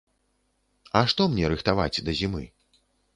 А што мне рыхтаваць да зімы?